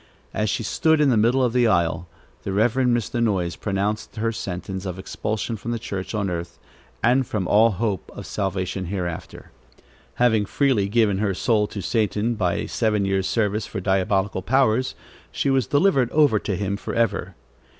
As she stood in the middle of the aisle, the Reverend Mr. Noyes pronounced her sentence of expulsion from the church on earth and from all hope of salvation hereafter. Having freely given her soul to Satan by a seven years' service for diabolical powers, she was delivered over to him forever.